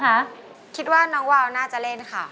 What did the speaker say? โอ้โหไปทบทวนเนื้อได้โอกาสทองเลยนานทีเดียวเป็นไงครับวาว